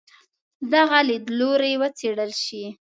دغه لیدلوری وڅېړل شي.